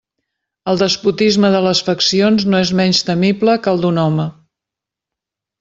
El despotisme de les faccions no és menys temible que el d'un home.